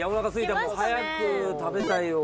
早く食べたいよ。